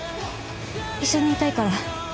一緒にいたいから。